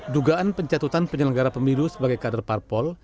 dugaan pencatutan penyelenggara pemilu sebagai kader parpol